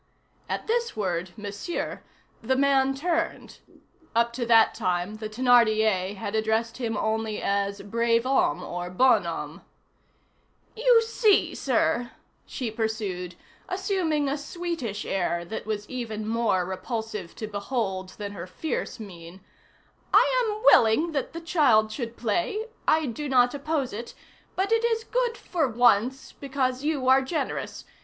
At this word, Monsieur, the man turned; up to that time, the Thénardier had addressed him only as brave homme or bonhomme. "You see, sir," she pursued, assuming a sweetish air that was even more repulsive to behold than her fierce mien, "I am willing that the child should play; I do not oppose it, but it is good for once, because you are generous.